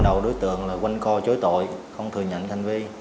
để được nhận ra